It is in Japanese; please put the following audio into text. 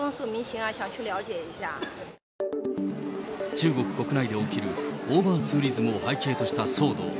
中国国内で起きるオーバーツーリズムを背景とした騒動。